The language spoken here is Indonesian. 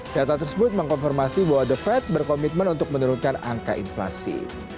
data tersebut mengkonfirmasi bahwa the fed berkomitmen untuk menurunkan angka inflasi